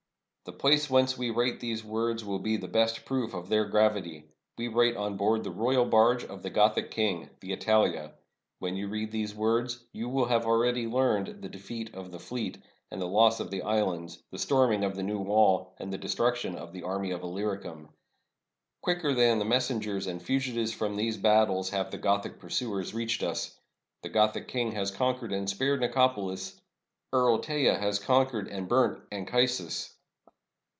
The place whence we write these words will be the best proof of their gravity. We write on board the royal barge of the Gothic king, the Italia. When you read these words, you will have already learned the defeat of the fleet, the loss of the islands, the storming of the 'New Wall,' and the destruction of the army of Illyricum. Quicker than the messengers and fugitives from these battles, have the Gothic pursuers 556 PEACE WITH THE GOTHS OR WAR? reached us. The Gothic king has conquered and spared Nicopolis. Earl Teja has conquered and burnt Anchi sus.